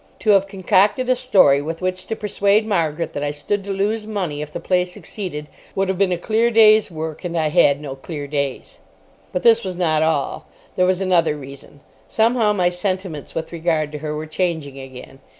To have concocted a story with which to persuade Margaret that I stood to lose money if the play succeeded would have been a clear day's work. And I had no clear days. But this was not all. There was another reason. Somehow my sentiments with regard to her were changing again.